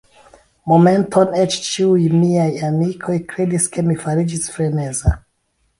Momenton eĉ ĉiuj miaj amikoj kredis, ke mi fariĝis freneza.